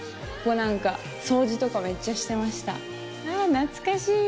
あ懐かしい！